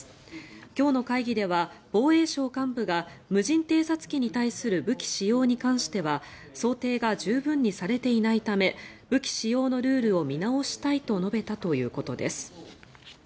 今日の会議では防衛省幹部が無人偵察機に対する武器使用に関しては想定が十分にされていないため武器使用のルールを見直したいと述べたということです。